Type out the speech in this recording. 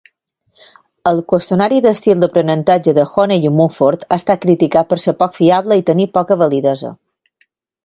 El qüestionari d'estils d'aprenentatge de Honey i Mumford ha estat criticat per ser poc fiable i tenir poca validesa.